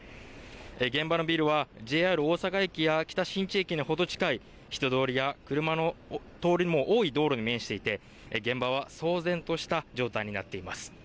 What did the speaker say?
現場のビルはＪＲ大阪駅や北新地駅に程近い人通りや車の通りも多い道路に面していて現場は騒然とした状態になっています。